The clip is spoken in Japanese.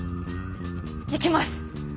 行きます！